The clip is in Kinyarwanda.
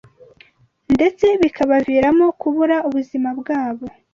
ndetse bikabaviramo kubura ubuzima bwabo.